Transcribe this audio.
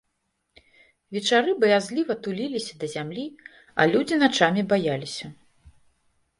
Вечары баязліва туліліся да зямлі, а людзі начамі баяліся.